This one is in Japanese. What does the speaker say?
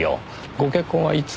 ご結婚はいつ？